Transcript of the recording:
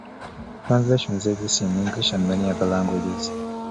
Translations exist in English and many other languages.